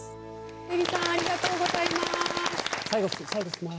えりさんありがとうございます！